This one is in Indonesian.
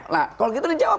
nah kalau gitu dijawab